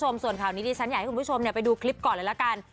ฉันอยากให้คุณผู้ชมไปดูคลิปก่อนเลยละกัน